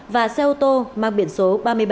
và xe ô tô mang biển số